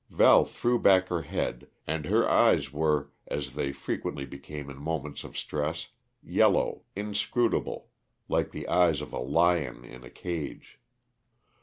Val threw back her head, and her eyes were as they frequently became in moments of stress yellow, inscrutable, like the eyes of a lion in a cage.